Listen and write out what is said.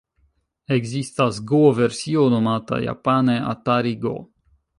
Ekzistas go-versio nomata japane 'Atari-go'.